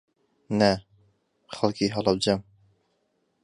نا، خەڵکی هەڵەبجەم.